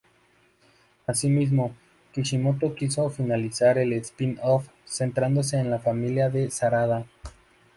Asimismo, Kishimoto quiso finalizar el spin-off centrándose en la familia de Sarada.